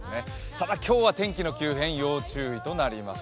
ただ今日は天気の急変、要注意となります。